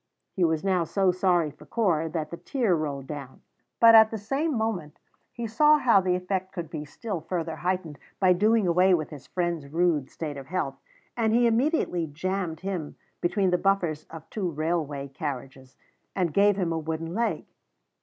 He was now so sorry for Corp that the tear rolled down. But at the same moment he saw how the effect could be still further heightened by doing away with his friend's rude state of health, and he immediately jammed him between the buffers of two railway carriages, and gave him a wooden leg.